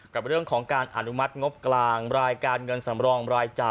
กับเรื่องของการอนุมัติงบกลางรายการเงินสำรองรายจ่าย